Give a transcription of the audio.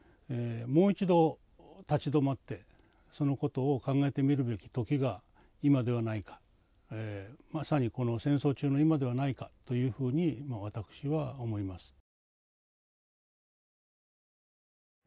もう一度立ち止まってそのことを考えてみるべき時が今ではないかまさにこの戦争中の今ではないかというふうに私は思います。